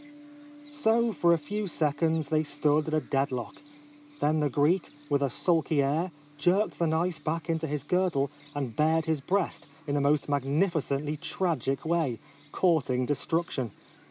So for a few seconds they stood at a dead lock. Then the Greek, with a sulky air, jerked the knife back into his girdle, and bared his breast in the most mag nificently tragic way, courting de struction.